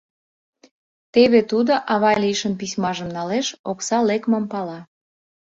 Теве тудо ава лийшын письмажым налеш, окса лекмым пала.